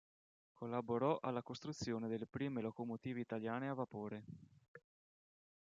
Collaborò alla costruzione delle prime locomotive italiane a vapore.